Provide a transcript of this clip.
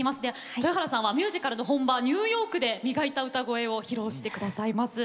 豊原さんはミュージカルの本場ニューヨークで磨いた歌声を披露してくださいます。